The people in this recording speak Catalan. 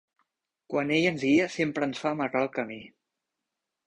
Quan ell ens guia sempre ens fa marrar el camí.